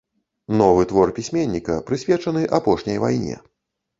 Новы твор пісьменніка прысвечаны апошняй вайне.